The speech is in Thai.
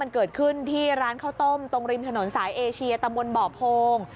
เกิดขึ้นที่ร้านข้าวต้มตรงริมถนนสายเอเชียตะบนบ่อโพง